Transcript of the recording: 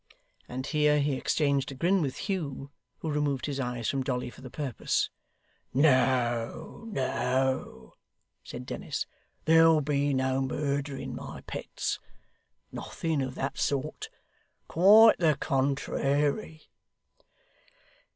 And here he exchanged a grin with Hugh, who removed his eyes from Dolly for the purpose. 'No, no,' said Dennis, 'there'll be no murdering, my pets. Nothing of that sort. Quite the contrairy.